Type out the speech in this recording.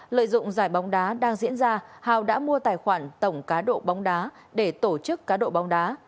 lợi dụng giải bóng đá đang diễn ra hào đã mua tài khoản tổng cá độ bóng đá để tổ chức cá độ bóng đá